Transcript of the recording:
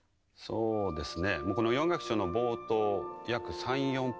そうですね。